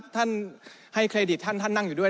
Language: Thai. ท่านให้เครดิตท่านท่านนั่งอยู่ด้วย